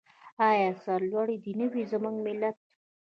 آیا سرلوړی دې نه وي زموږ ملت؟